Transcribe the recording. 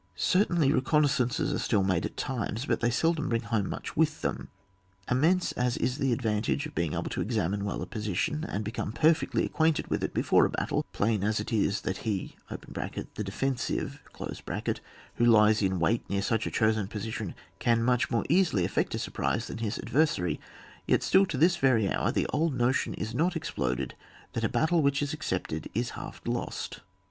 Certainly recon naissances are still made at times, but they seldom bring home much with them. Immense as is the advantage of being able to examine well a position, and be come perfectly acquainted with it before a battle, plain as it is that ho (the defen sive) who lies in wait near such a chosen position can much more easily effect a surprise than his adversary, yet still to this very hour the old notion is not ex ploded that a battle which is accepted is half lost.